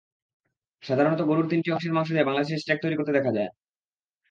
সাধারণত গরুর তিনটি অংশের মাংস দিয়ে বাংলাদেশে স্টেক তৈরি করতে দেখা যায়।